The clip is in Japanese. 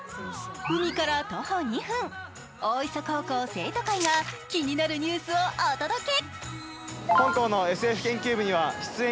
海から徒歩２分、大磯高校生徒会が気になるニュースをお届け。